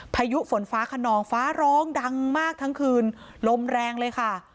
พายุฝนฟ้าขนองฟ้าร้องดังมากทั้งคืนลมแรงเลยค่ะ